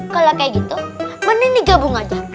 kalau kayak gitu mending digabung aja